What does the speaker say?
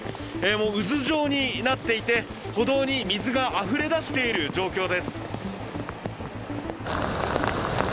もう渦状になっていて、歩道に水があふれ出している状況です。